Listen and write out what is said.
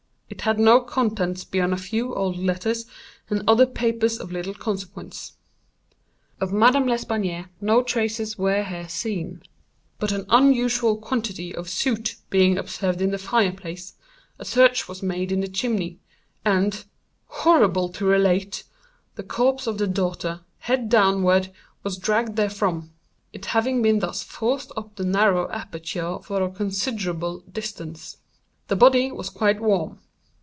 It had no contents beyond a few old letters, and other papers of little consequence. "Of Madame L'Espanaye no traces were here seen; but an unusual quantity of soot being observed in the fire place, a search was made in the chimney, and (horrible to relate!) the corpse of the daughter, head downward, was dragged therefrom; it having been thus forced up the narrow aperture for a considerable distance. The body was quite warm.